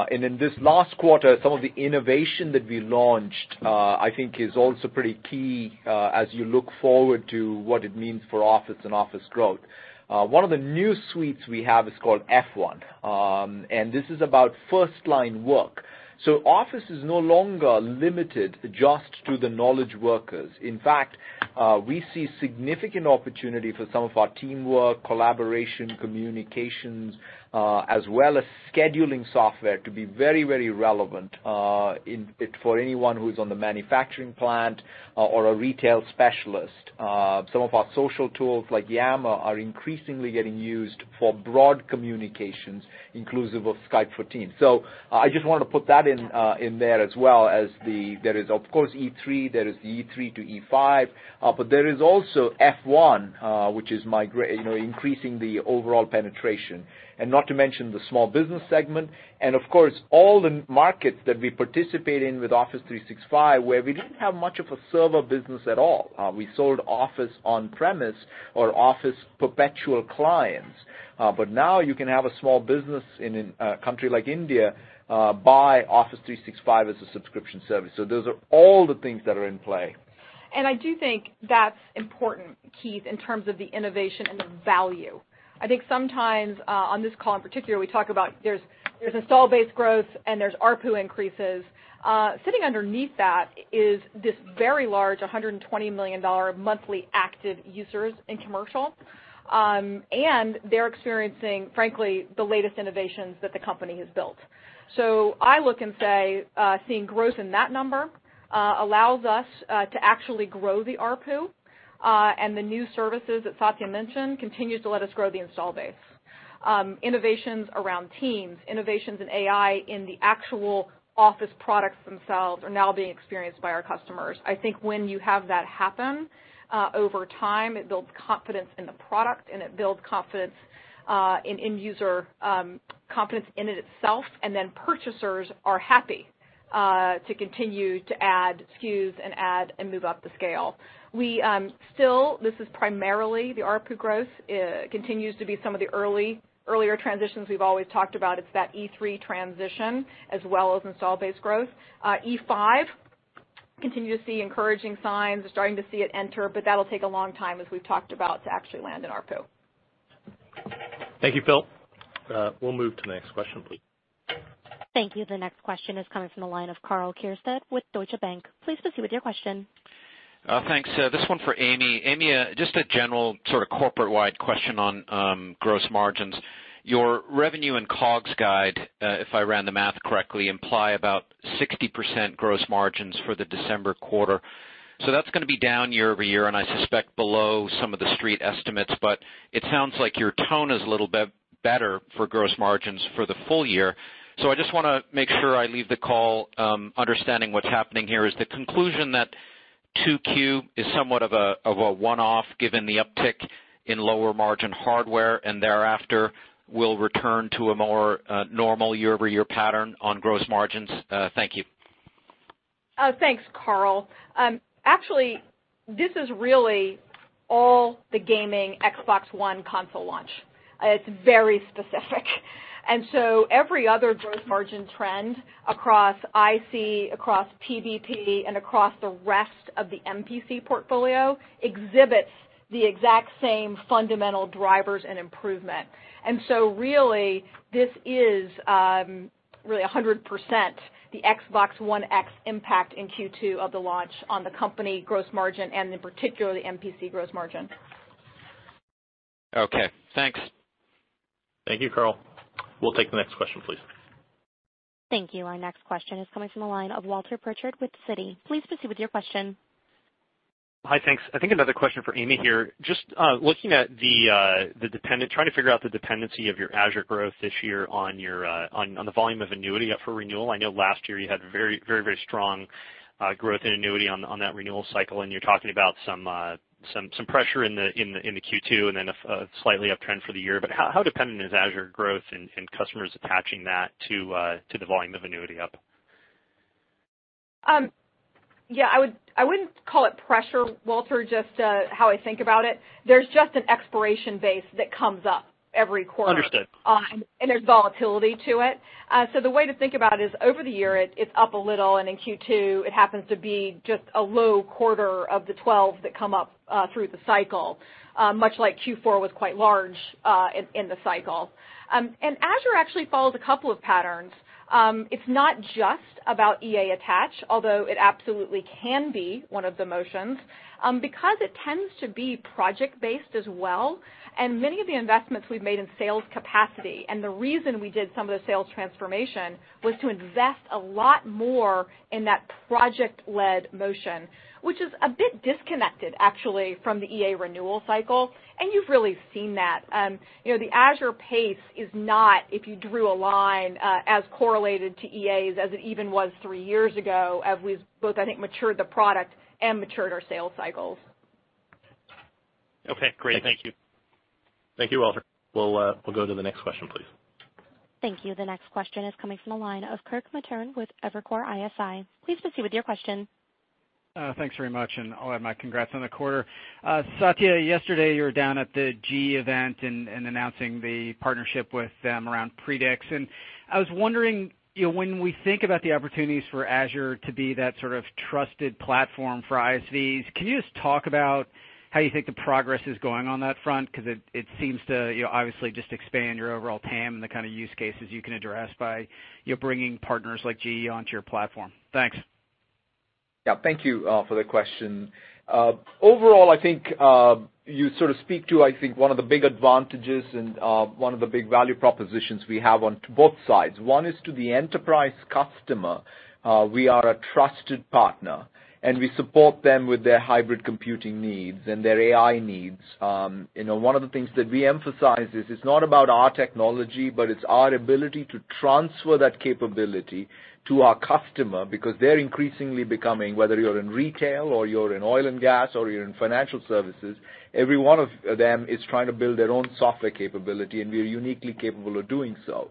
in this last quarter, some of the innovation that we launched, I think is also pretty key, as you look forward to what it means for Office and Office growth. One of the new suites we have is called F1, this is about first line work. Office is no longer limited just to the knowledge workers. In fact, we see significant opportunity for some of our teamwork, collaboration, communications, as well as scheduling software to be very, very relevant, in it for anyone who's on the manufacturing plant or a retail specialist. Some of our social tools like Yammer are increasingly getting used for broad communications inclusive of Microsoft Teams. I just want to put that in there as well as the, there is of course E3, there is E3 to E5, but there is also F1, which is migrate, you know, increasing the overall penetration. Not to mention the small business segment and of course, all the markets that we participate in with Office 365, where we didn't have much of a server business at all. We sold Office on-premise or Office perpetual clients. Now you can have a small business in a country like India, buy Office 365 as a subscription service. Those are all the things that are in play. I do think that's important, Phil, in terms of the innovation and the value. I think sometimes, on this call in particular, we talk about there's install base growth and there's ARPU increases. Sitting underneath that is this very large, $120 million monthly active users in commercial. They're experiencing, frankly, the latest innovations that the company has built. I look and say, seeing growth in that number, allows us to actually grow the ARPU, and the new services that Satya mentioned continues to let us grow the install base. Innovations around Teams, innovations in AI in the actual Office products themselves are now being experienced by our customers. I think when you have that happen, over time, it builds confidence in the product and it builds confidence in end user confidence in it itself, and then purchasers are happy. To continue to add SKUs and add and move up the scale. We still, this is primarily the ARPU growth, continues to be some of the earlier transitions we've always talked about. It's that E3 transition as well as install-based growth. E5 continue to see encouraging signs. We're starting to see it enter, but that'll take a long time, as we've talked about, to actually land in ARPU. Thank you, Phil. We'll move to the next question, please. Thank you. The next question is coming from the line of Karl Keirstead with Deutsche Bank. Please proceed with your question. Thanks. This one for Amy. Amy, just a general sort of corporate-wide question on gross margins. Your revenue and COGS guide, if I ran the math correctly, imply about 60% gross margins for the December quarter. That's gonna be down year-over-year, and I suspect below some of the street estimates, but it sounds like your tone is a little bit better for gross margins for the full year. I just wanna make sure I leave the call, understanding what's happening here. Is the conclusion that 2Q is somewhat of a one-off given the uptick in lower margin hardware, and thereafter will return to a more normal year-over-year pattern on gross margins? Thank you. Thanks, Karl. Actually, this is really all the gaming Xbox One console launch. It's very specific. Every other gross margin trend across IC, across PBP, and across the rest of the MPC portfolio exhibits the exact same fundamental drivers and improvement. Really this is really 100% the Xbox One X impact in Q2 of the launch on the company gross margin and in particular, the MPC gross margin. Okay, thanks. Thank you, Karl. We'll take the next question, please. Thank you. Our next question is coming from the line of Walter Pritchard with Citi. Please proceed with your question. Hi, thanks. I think another question for Amy here. Just looking at the dependency of your Azure growth this year on the volume of annuity up for renewal. I know last year you had very strong growth in annuity on that renewal cycle, and you're talking about some pressure in the Q2 and then a slightly uptrend for the year. How dependent is Azure growth and customers attaching that to the volume of annuity up? Yeah, I wouldn't call it pressure, Walter, just how I think about it. There's just an expiration base that comes up every quarter. Understood. There's volatility to it. The way to think about it is over the year, it's up a little, in Q2, it happens to be just a low quarter of the 12 that come up through the cycle. Much like Q4 was quite large in the cycle. Azure actually follows a couple of patterns. It's not just about EA attach, although it absolutely can be one of the motions, because it tends to be project-based as well. Many of the investments we've made in sales capacity, and the reason we did some of the sales transformation was to invest a lot more in that project-led motion, which is a bit disconnected actually from the EA renewal cycle. You've really seen that. You know, the Azure pace is not, if you drew a line, as correlated to EAs as it even was three years ago, as we've both, I think, matured the product and matured our sales cycles. Okay, great. Thank you. Thank you, Walter. We'll go to the next question, please. Thank you. The next question is coming from the line of Kirk Materne with Evercore ISI. Please proceed with your question. Thanks very much, and I'll add my congrats on the quarter. Satya, yesterday you were down at the GE event and announcing the partnership with them around Predix. I was wondering, you know, when we think about the opportunities for Azure to be that sort of trusted platform for ISVs, can you just talk about how you think the progress is going on that front? 'Cause it seems to, you know, obviously just expand your overall TAM and the kind of use cases you can address by, you know, bringing partners like GE onto your platform. Thanks. Yeah, thank you for the question. Overall, I think, you sort of speak to, I think, one of the big advantages and one of the big value propositions we have on both sides. One is to the enterprise customer, we are a trusted partner, and we support them with their hybrid computing needs and their AI needs. You know, one of the things that we emphasize is it's not about our technology, but it's our ability to transfer that capability to our customer because they're increasingly becoming, whether you're in retail or you're in oil and gas or you're in financial services, every one of them is trying to build their own software capability, and we are uniquely capable of doing so.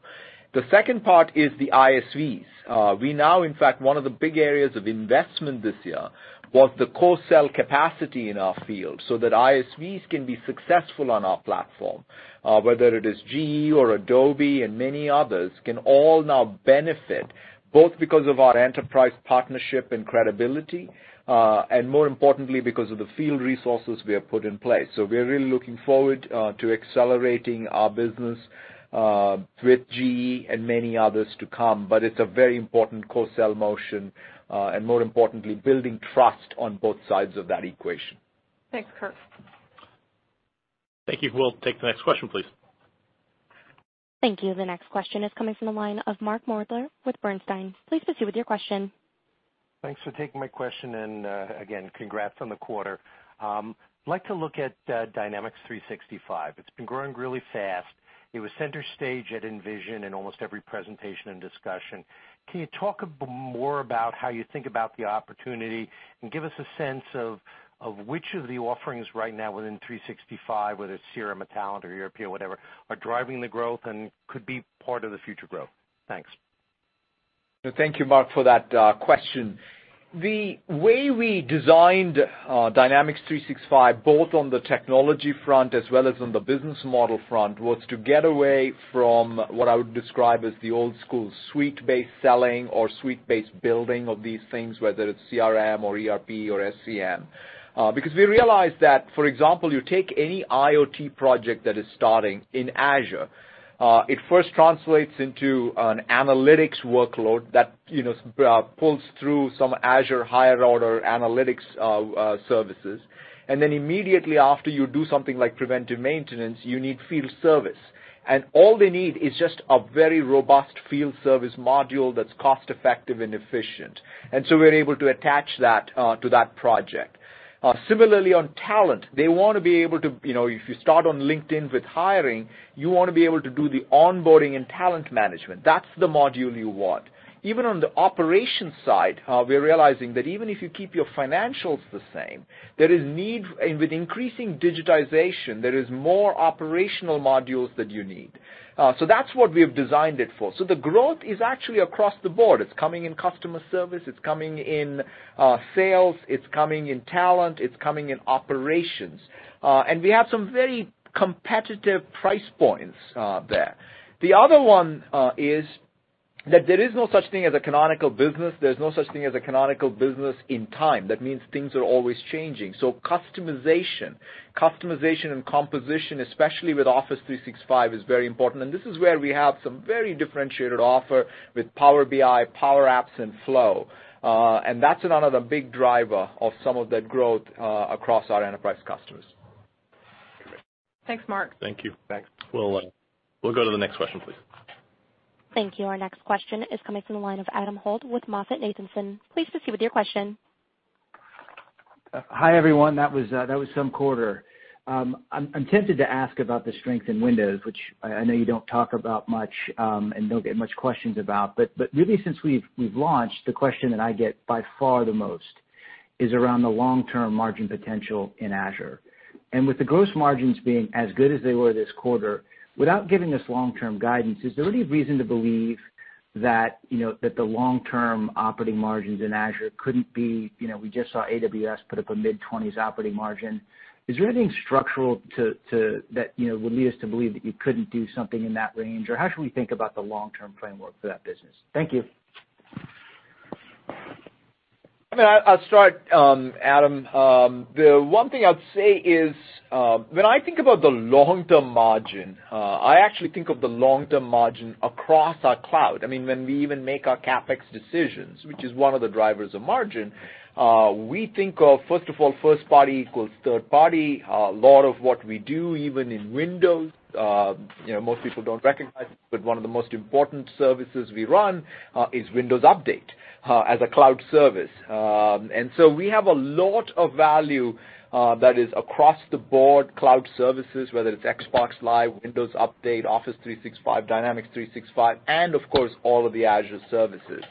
The second part is the ISVs. We now, in fact, one of the big areas of investment this year was the co-sell capacity in our field so that ISVs can be successful on our platform. Whether it is GE or Adobe and many others can all now benefit, both because of our enterprise partnership and credibility, and more importantly, because of the field resources we have put in place. We are really looking forward to accelerating our business with GE and many others to come. It's a very important co-sell motion, and more importantly, building trust on both sides of that equation. Thanks, Kirk. Thank you. We'll take the next question, please. Thank you. The next question is coming from the line of Mark Moerdler with Bernstein. Please proceed with your question. Thanks for taking my question, and again, congrats on the quarter. I'd like to look at Dynamics 365. It's been growing really fast. It was center stage at Envision in almost every presentation and discussion. Can you talk more about how you think about the opportunity and give us a sense of which of the offerings right now within 365, whether it's CRM or Talent or ERP or whatever, are driving the growth and could be part of the future growth? Thanks. Thank you, Mark, for that question. The way we designed Dynamics 365, both on the technology front as well as on the business model front, was to get away from what I would describe as the old school suite-based selling or suite-based building of these things, whether it's CRM or ERP or SCM. Because we realized that, for example, you take any IoT project that is starting in Azure, it first translates into an analytics workload that, you know, pulls through some Azure higher order analytics services. Immediately after you do something like preventive maintenance, you need field service. All they need is just a very robust field service module that's cost effective and efficient. We're able to attach that to that project. Similarly on talent, they wanna be able to, you know, if you start on LinkedIn with hiring, you wanna be able to do the onboarding and talent management. That's the module you want. Even on the operations side, we're realizing that even if you keep your financials the same, there is need. With increasing digitization, there is more operational modules that you need. That's what we have designed it for. The growth is actually across the board. It's coming in customer service, it's coming in sales, it's coming in talent, it's coming in operations. We have some very competitive price points there. The other one is that there is no such thing as a canonical business. There's no such thing as a canonical business in time. That means things are always changing. Customization, customization and composition, especially with Office 365, is very important. This is where we have some very differentiated offer with Power BI, Power Apps, and Flow. That's another big driver of some of that growth across our enterprise customers. Thanks, Mark. Thank you. Thanks. We'll go to the next question, please. Thank you. Our next question is coming from the line of Adam Holt with MoffettNathanson. Please proceed with your question. Hi, everyone. That was, that was some quarter. I'm tempted to ask about the strength in Windows, which I know you don't talk about much, and don't get much questions about. Really since we've launched, the question that I get by far the most is around the long-term margin potential in Azure. With the gross margins being as good as they were this quarter, without giving us long-term guidance, is there any reason to believe that, you know, that the long-term operating margins in Azure couldn't be, you know, we just saw AWS put up a mid-20s operating margin. Is there anything structural to that, you know, would lead us to believe that you couldn't do something in that range? How should we think about the long-term framework for that business? Thank you. I mean, I'll start, Adam. The one thing I'd say is, when I think about the long-term margin, I actually think of the long-term margin across our cloud. I mean, when we even make our CapEx decisions, which is one of the drivers of margin, we think of, first of all, first party equals third party. A lot of what we do, even in Windows, you know, most people don't recognize it, but one of the most important services we run, is Windows Update, as a cloud service. So we have a lot of value that is across the board cloud services, whether it's Xbox Live, Windows Update, Office 365, Dynamics 365, and of course, all of the Azure services.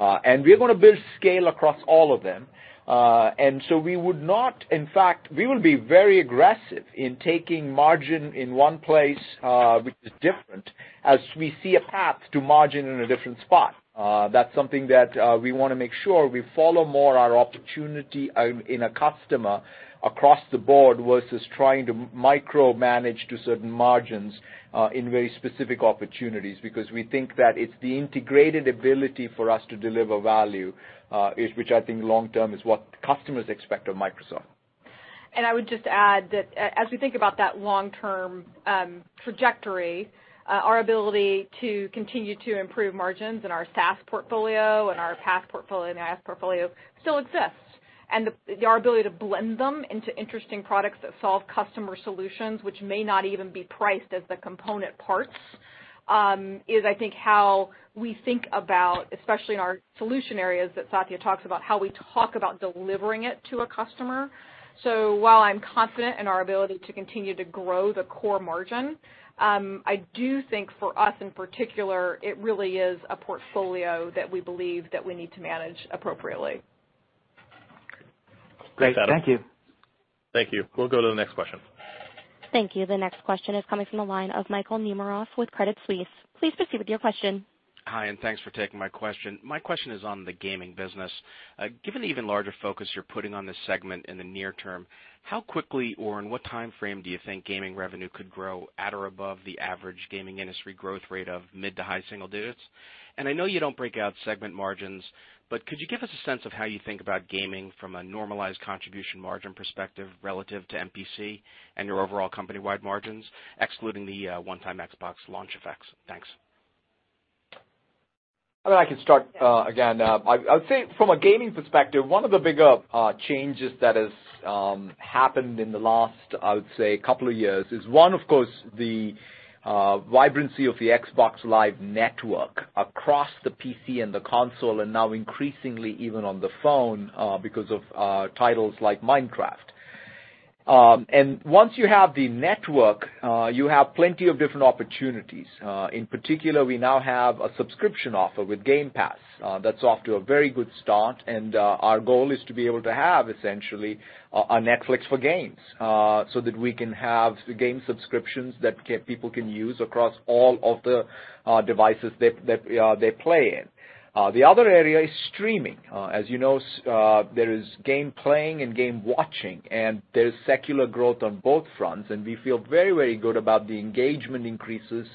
We're gonna build scale across all of them. We would not, in fact, we will be very aggressive in taking margin in one place, which is different, as we see a path to margin in a different spot. That's something that, we wanna make sure we follow more our opportunity, in a customer across the board versus trying to micromanage to certain margins, in very specific opportunities, because we think that it's the integrated ability for us to deliver value, is, which I think long term is what customers expect of Microsoft. I would just add that as we think about that long-term trajectory, our ability to continue to improve margins in our SaaS portfolio and our PaaS portfolio and IaaS portfolio still exists. Our ability to blend them into interesting products that solve customer solutions, which may not even be priced as the component parts, is I think how we think about, especially in our solution areas that Satya talks about, how we talk about delivering it to a customer. While I'm confident in our ability to continue to grow the core margin, I do think for us, in particular, it really is a portfolio that we believe that we need to manage appropriately. Great. Thank you. Thank you. We'll go to the next question. Thank you. The next question is coming from the line of Michael Nemeroff with Credit Suisse. Please proceed with your question. Hi, and thanks for taking my question. My question is on the gaming business. Given the even larger focus you're putting on this segment in the near term, how quickly or in what timeframe do you think gaming revenue could grow at or above the average gaming industry growth rate of mid to high single-digits? I know you don't break out segment margins, but could you give us a sense of how you think about gaming from a normalized contribution margin perspective relative to MPC and your overall company-wide margins, excluding the one-time Xbox launch effects? Thanks. I mean, I can start again. I would say from a gaming perspective, one of the bigger changes that has happened in the last, I would say, couple of years is one, of course, the vibrancy of the Xbox Live network across the PC and the console, and now increasingly even on the phone, because of titles like Minecraft. Once you have the network, you have plenty of different opportunities. In particular, we now have a subscription offer with Game Pass that's off to a very good start, and our goal is to be able to have essentially a Netflix for games so that we can have the game subscriptions that people can use across all of the devices that they play in. The other area is streaming. As you know, there is game playing and game watching, and there's secular growth on both fronts, and we feel very, very good about the engagement increases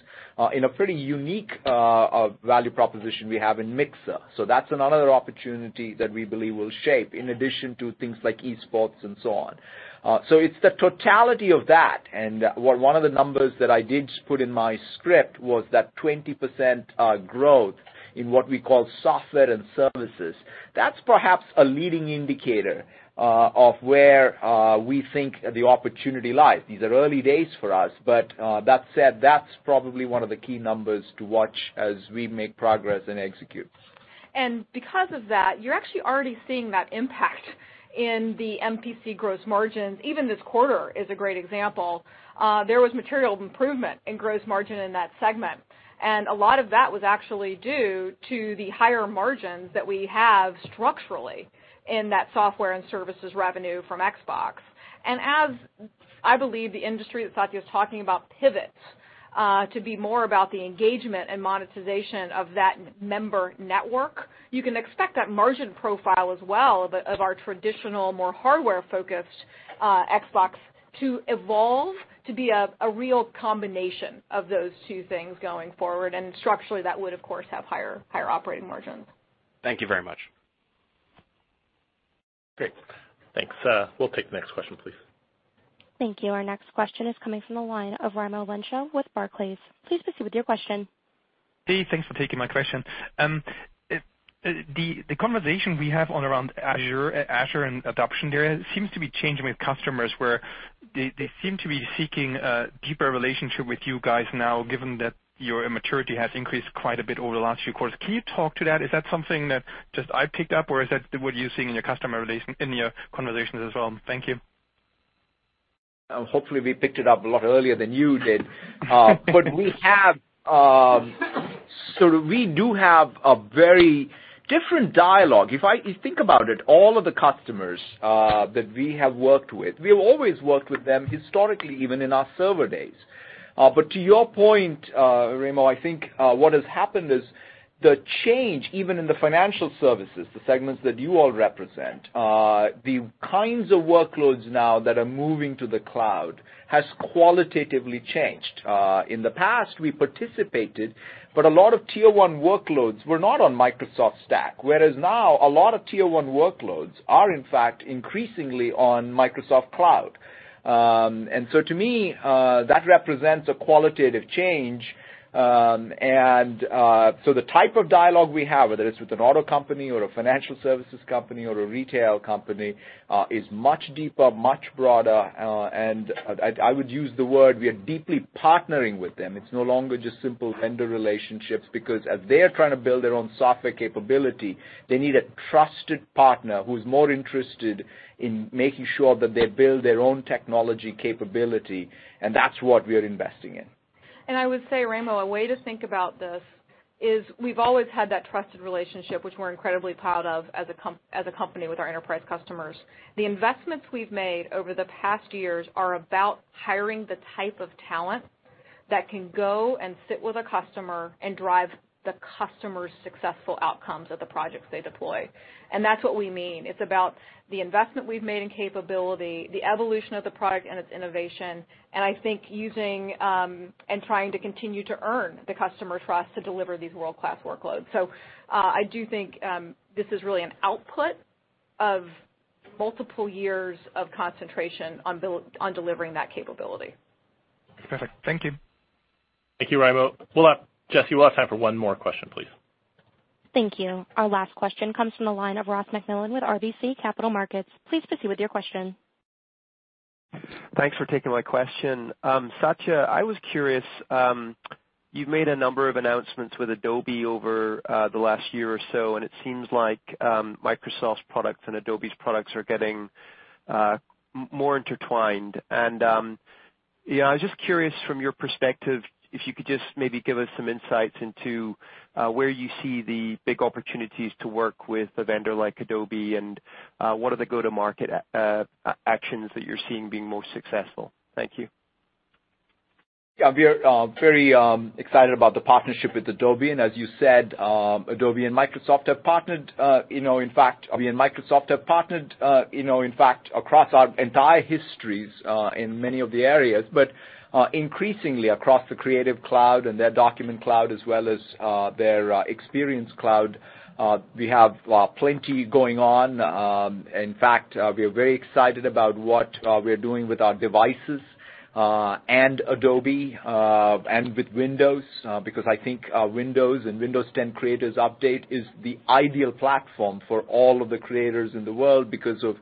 in a pretty unique value proposition we have in Mixer. That's another opportunity that we believe will shape in addition to things like esports and so on. It's the totality of that, and one of the numbers that I did put in my script was that 20% growth in what we call software and services. That's perhaps a leading indicator of where we think the opportunity lies. These are early days for us, but that said, that's probably one of the key numbers to watch as we make progress and execute. Because of that, you're actually already seeing that impact in the MPC gross margins. Even this quarter is a great example. There was material improvement in gross margin in that segment, and a lot of that was actually due to the higher margins that we have structurally in that software and services revenue from Xbox. As I believe the industry that Satya is talking about pivots to be more about the engagement and monetization of that member network, you can expect that margin profile as well of our traditional, more hardware-focused Xbox to evolve to be a real combination of those two things going forward. Structurally, that would of course have higher operating margins. Thank you very much. Great. Thanks. We'll take the next question, please. Thank you. Our next question is coming from the line of Raimo Lenschow with Barclays. Please proceed with your question. Hey, thanks for taking my question. The conversation we have around Azure and adoption there seems to be changing with customers, where they seem to be seeking a deeper relationship with you guys now, given that your maturity has increased quite a bit over the last few quarters. Can you talk to that? Is that something that just I picked up, or is that what you're seeing in your conversations as well? Thank you. Hopefully we picked it up a lot earlier than you did. We have. We do have a very different dialogue. If you think about it, all of the customers that we have worked with, we've always worked with them historically, even in our server days. To your point, Raimo, I think what has happened is the change, even in the financial services, the segments that you all represent, the kinds of workloads now that are moving to the cloud has qualitatively changed. In the past we participated, but a lot of Tier 1 workloads were not on Microsoft Stack. Now a lot of Tier 1 workloads are in fact increasingly on Microsoft Cloud. To me, that represents a qualitative change. So the type of dialogue we have, whether it's with an auto company or a financial services company or a retail company, is much deeper, much broader, and I would use the word we are deeply partnering with them. It's no longer just simple vendor relationships because as they are trying to build their own software capability, they need a trusted partner who's more interested in making sure that they build their own technology capability, and that's what we are investing in. I would say, Raimo, a way to think about this is we've always had that trusted relationship, which we're incredibly proud of as a company with our enterprise customers. The investments we've made over the past years are about hiring the type of talent that can go and sit with a customer and drive the customer's successful outcomes of the projects they deploy. That's what we mean. It's about the investment we've made in capability, the evolution of the product and its innovation, and I think using and trying to continue to earn the customer trust to deliver these world-class workloads. I do think this is really an output of multiple years of concentration on delivering that capability. Perfect. Thank you. Thank you, Raimo. We'll have Jesse, we'll have time for one more question, please. Thank you. Our last question comes from the line of Ross MacMillan with RBC Capital Markets. Please proceed with your question. Thanks for taking my question. Satya, I was curious, you've made a number of announcements with Adobe over the last year or so, and it seems like Microsoft's products and Adobe's products are getting more intertwined. I was just curious from your perspective if you could just maybe give us some insights into where you see the big opportunities to work with a vendor like Adobe and what are the go-to-market actions that you're seeing being most successful. Thank you. Yeah. We are very excited about the partnership with Adobe. As you said, Adobe and Microsoft have partnered, you know, in fact across our entire histories in many of the areas, but increasingly across the Creative Cloud and their Document Cloud as well as their Experience Cloud, we have plenty going on. In fact, we are very excited about what we are doing with our devices and Adobe and with Windows, because I think Windows and Windows 10 Creators Update is the ideal platform for all of the creators in the world because of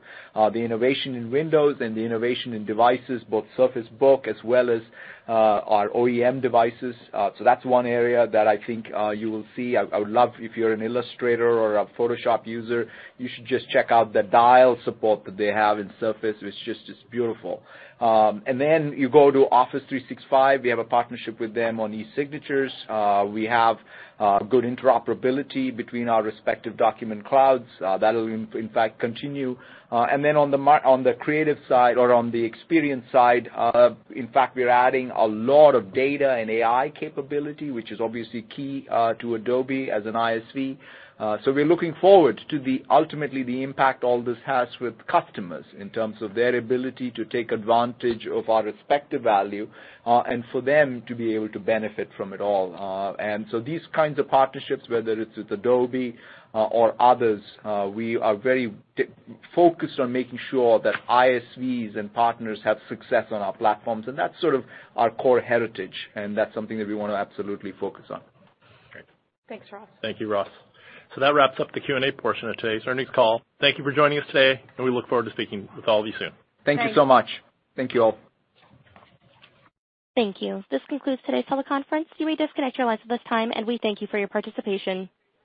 the innovation in Windows and the innovation in devices, both Surface Book as well as our OEM devices. That's one area that I think you will see. I would love, if you're an Illustrator or a Photoshop user, you should just check out the Dial support that they have in Surface. It's just beautiful. Then you go to Office 365. We have a partnership with them on e-signatures. We have good interoperability between our respective Document Clouds. That'll in fact continue. Then on the creative side or on the experience side, in fact, we are adding a lot of data and AI capability, which is obviously key to Adobe as an ISV. We're looking forward to the ultimately the impact all this has with customers in terms of their ability to take advantage of our respective value, and for them to be able to benefit from it all. These kinds of partnerships, whether it's with Adobe, or others, we are very focused on making sure that ISVs and partners have success on our platforms, and that's sort of our core heritage, and that's something that we wanna absolutely focus on. Great. Thanks, Ross. Thank you, Ross. That wraps up the Q&A portion of today's earnings call. Thank you for joining us today, and we look forward to speaking with all of you soon. Thank you so much. Thanks. Thank you all. Thank you. This concludes today's teleconference. You may disconnect your lines at this time, and we thank you for your participation.